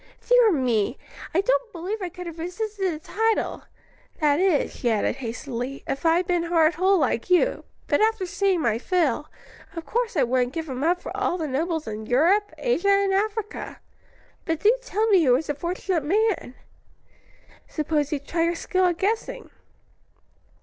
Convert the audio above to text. "Dear me! I don't believe I could have resisted the title. That is," she added, hastily, "if I'd been heart whole like you: but after seeing my Phil, of course I wouldn't give him up for all the nobles in Europe, Asia, and Africa. But do tell me who is the fortunate man?" "Suppose you try your skill at guessing."